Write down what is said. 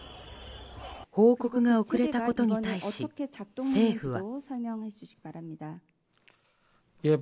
報告が遅れたことに対し政府は。